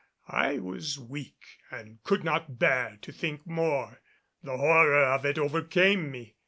I was weak and could not bear to think more. The horror of it overcame me!